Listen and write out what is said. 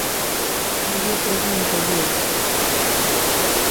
Murió preso en Toulouse.